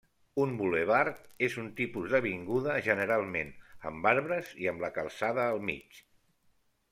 Un bulevard és un tipus d'avinguda, generalment amb arbres i amb la calçada al mig.